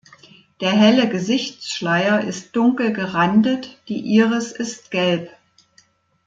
Der helle Gesichtsschleier ist dunkel gerandet, die Iris ist gelb.